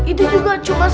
itu juga cukup